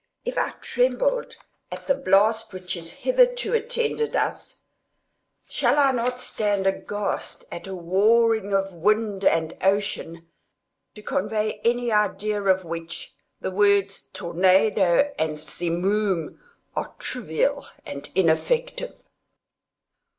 If I trembled at the blast which has hitherto attended us, shall I not stand aghast at a warring of wind and ocean, to convey any idea of which the words tornado and simoom are trivial and ineffective?